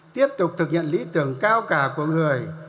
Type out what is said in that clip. tiếp tục thực hiện lý tưởng cao cả của người